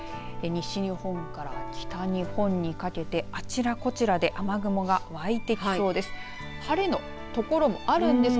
西日本から北日本にかけてあちらこちらで雨雲がわいてきそうです。